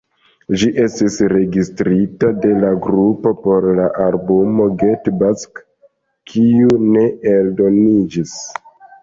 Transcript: Ĝi estis registrita de la grupo por la albumo "Get Back", kiu ne eldoniĝis.